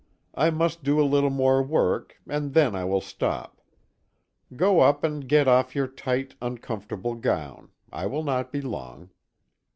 I must do a little more work, and then I will stop. Go up and get off your tight, uncomfortable gown. I will not be long."